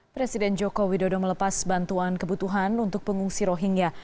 presiden joko widodo melepas bantuan kebutuhan untuk pengungsi rohingya